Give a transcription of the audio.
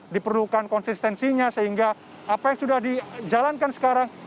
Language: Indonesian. diperlukan konsistensinya sehingga apa yang sudah dijalankan sekarang